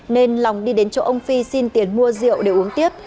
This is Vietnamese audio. nên lòng đi đến chỗ ông phi xin tiền mua rượu để uống tiếp